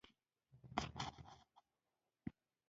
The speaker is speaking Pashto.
پۀ پېغام کښې څۀ نقص نۀ ښکاري